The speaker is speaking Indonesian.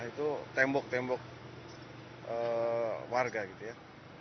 itu tembok tembok warga gitu ya